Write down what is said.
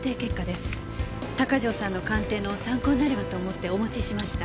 鷹城さんの鑑定の参考になればと思ってお持ちしました。